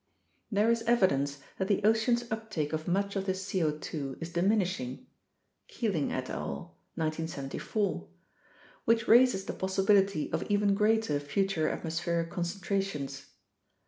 There is evidence that the ocean's uptake of much of this C0 2 is diminishing (Keeling et al., 1974), which raises the possibility of even greater future atmospheric concentrations.